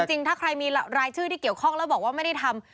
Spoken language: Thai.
จริงถ้าใครมีรายชื่อที่เกี่ยวข้องแล้วบอกว่าไม่ได้ทำ